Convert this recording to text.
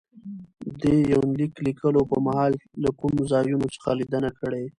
دې يونليک ليکلو په مهال له کومو ځايونو څخه ليدنه کړې